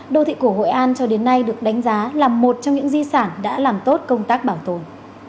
đô thị cổ hội an cho đến nay được đánh giá là một trong những di sản đã làm tốt công tác bảo tồn